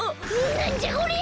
なんじゃこりゃ！